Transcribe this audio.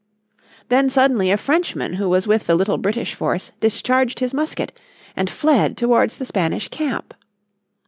Then suddenly a Frenchman who was with the little British force discharged his musket, and fled towards the Spanish camp.